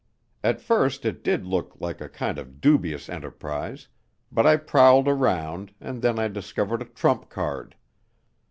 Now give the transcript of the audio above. At first it did look like a kind of dubious enterprise, but I prowled around and then I discovered a trump card.